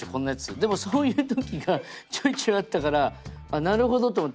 でもそういう時がちょいちょいあったからなるほどと思って